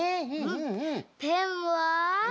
ペンは？